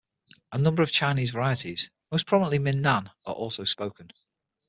A number of Chinese varieties, most prominently Min Nan, are also spoken.